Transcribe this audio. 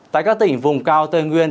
tại các tỉnh vùng cao tây nguyên